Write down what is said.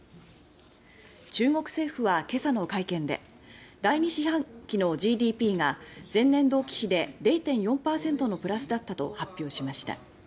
中国政府は今朝の会見で第２四半期のＧＤＰが前年同期比で０．４％のプラスだったと発表しました。